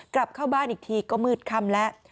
กลับเข้าบ้านอีกทีก็มืดค่ำแล้ว